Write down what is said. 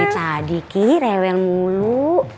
tadi ki rewel mulu